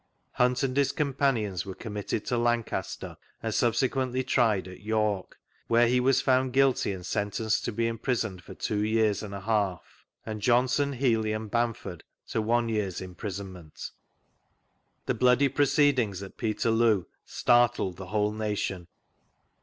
Hunt and his companions were committed to Lancaster, and subsequently tried at York, where he was found guilty and sentenced to be imprisoned for two years and a half, and Johnson, Healey, and Bamford to one year's imprisonment. The bloody proceedings at Peterloo startled the whole nation.